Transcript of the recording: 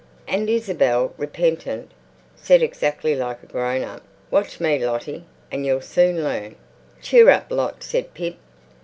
And Isabel, repentant, said exactly like a grown up, "Watch me, Lottie, and you'll soon learn." "Cheer up, Lot," said Pip.